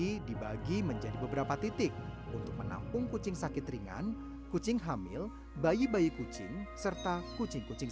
ini dibagi menjadi beberapa titik untuk menampung kucing sakit ringan kucing hamil bayi bayi kucing serta kucing kucing